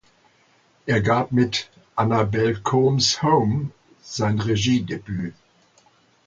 Er gab mit "Annabelle Comes Home" sein Regiedebüt.